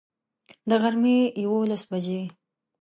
د غرمي یوولس بجي